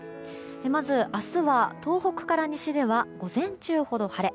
まず明日は、東北から西では午前中ほど晴れ。